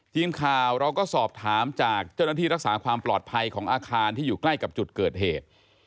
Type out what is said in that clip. ทีมข่าวเราก็สอบถามจากเจ้าหน้าที่รักษาความปลอดภัยของอาคารที่อยู่ใกล้กับจุดเกิดเหตุ